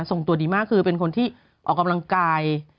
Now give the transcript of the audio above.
ส่งตัวดีมากคือเป็นคนที่ออกกำลังกาย